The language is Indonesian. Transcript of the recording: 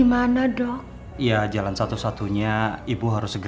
melainkan ini pasangan